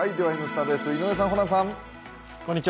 「Ｎスタ」です、井上さん、ホランさん。